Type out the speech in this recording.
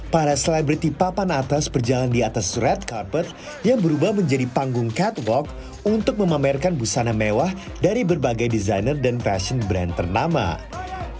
para selebriti papan atas berjalan di atas red carpet yang berubah menjadi panggung catwalk untuk memamerkan busana mewah dari berbagai desainer dan fashion brand ternama